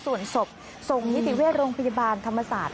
ส่วนศพส่งนิติเวชโรงพยาบาลธรรมศาสตร์